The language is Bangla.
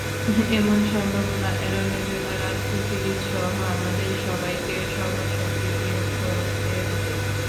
এমন সম্ভাবনা এড়ানোর জন্য রাজনীতিবিদসহ আমাদের সবাইকে সর্বশক্তি নিয়োগ করতে হবে।